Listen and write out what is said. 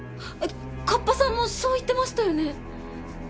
河童さんもそう言ってましたよね？